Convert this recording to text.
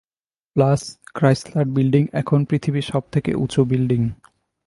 Plus Chrysler building এখন পৃথিবীর সবথেকে উঁচু বিল্ডিং।